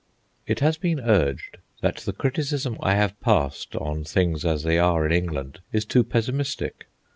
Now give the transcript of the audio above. It has been urged that the criticism I have passed on things as they are in England is too pessimistic.